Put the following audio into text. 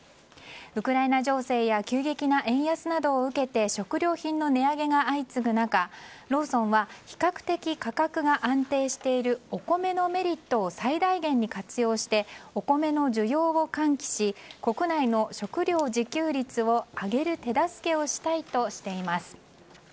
ウクライナ情勢や急激な円安などを受けて食料品の値上げが相次ぐ中ローソンは比較的価格が安定しているお米のメリットを最大限に活用してお米の需要を喚起し国内の食料自給率を上げる手助けをしたいとしています。